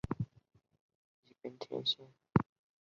在它的炮塔上多出了一根天线。